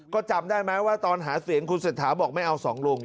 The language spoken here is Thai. ก็จำได้ไหมว่าตอนหาเสียงคุณเศรษฐาบอกไม่เอาสองลุง